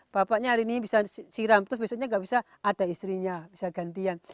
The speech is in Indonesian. bapaknya hari ini bisa siram terus besoknya nggak bisa ada istrinya bisa gantian